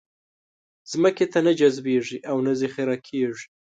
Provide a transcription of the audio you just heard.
ځمکې ته نه جذبېږي او نه ذخېره کېږي.